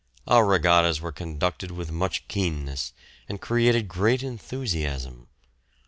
Our regattas were conducted with much keenness, and created great enthusiasm.